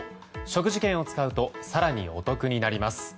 食事券を使うと更にお得になります。